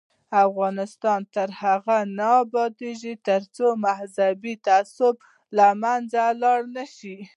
افغانستان تر هغو نه ابادیږي، ترڅو مذهبي تعصب له منځه لاړ نشي.